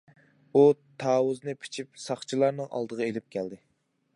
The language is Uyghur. ئۇ تاۋۇزنى پىچىپ، ساقچىلارنىڭ ئالدىغا ئېلىپ كەلدى.